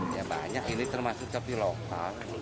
ya banyak ini termasuk kopi lokal